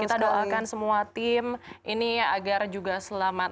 kita doakan semua tim ini agar juga selamat